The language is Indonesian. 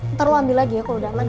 ntar lo ambil lagi ya kalau udah leng